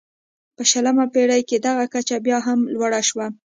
په شلمې پېړۍ کې دغه کچه بیا هم لوړه شوه.